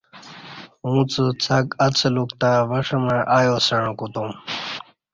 اوڅہ څݣ اڅلوک تہ وݜمع ایاسݩع کوتوم